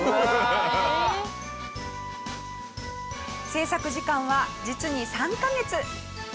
制作時間は実に３カ月。